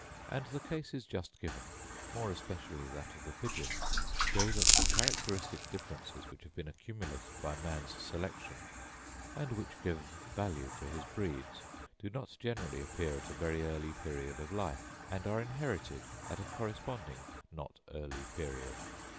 And the cases just given, more especially that of the pigeons, show that the characteristic differences which have been accumulated by man's selection, and which give value to his breeds, do not generally appear at a very early period of life, and are inherited at a corresponding not early period.